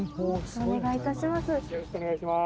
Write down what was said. よろしくお願いします。